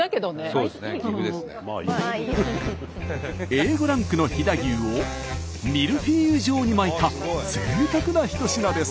Ａ５ランクの飛騨牛をミルフィーユ状に巻いたぜいたくな一品です。